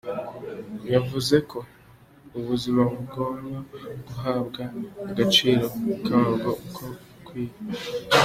Yavuze ko ubuzima bubwomba guhabwa agaciro kabwo uko bikwiye.